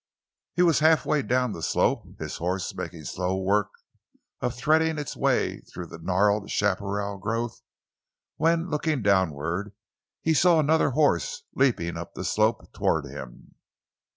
He was half way down the slope, his horse making slow work of threading its way through the gnarled chaparral growth, when, looking downward, he saw another horse leaping up the slope toward him.